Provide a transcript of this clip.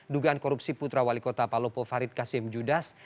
dugaan korupsi putra wali kota palopo farid kasim judas